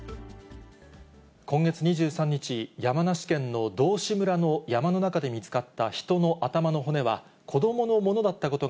今月２３日、山梨県の道志村の山の中で見つかった人の頭の骨は、子どものもの